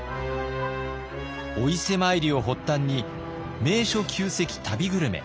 お伊勢参りを発端に名所旧跡旅グルメ。